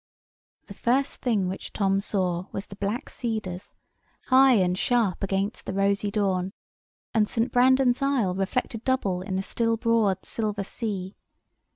The first thing which Tom saw was the black cedars, high and sharp against the rosy dawn; and St. Brandan's Isle reflected double in the still broad silver sea.